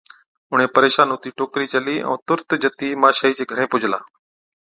اُڻهين پريشان هُتِي ٽوڪرِي چلِي، ائُون تُرت جتِي ماشائِي چي گھرين پُجلا،